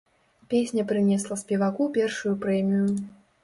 Песня прынесла спеваку першую прэмію.